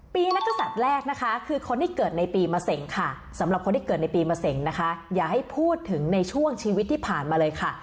ปีนักศัตริย์แรกนะคะคือคนที่เกิดในปีมะเสงค่ะสำหรับคนที่เกิดในปีมะเสงนะคะอย่าให้พูดถึงในช่วงชีวิตที่ผ่านมาเลยค่ะ